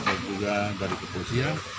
dan juga dari kepolisian